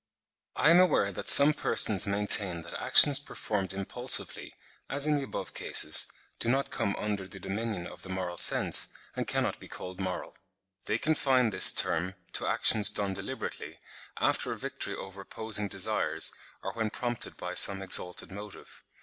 I am aware that some persons maintain that actions performed impulsively, as in the above cases, do not come under the dominion of the moral sense, and cannot be called moral. They confine this term to actions done deliberately, after a victory over opposing desires, or when prompted by some exalted motive.